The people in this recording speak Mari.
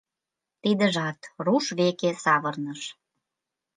Тидыжат руш веке савырныш.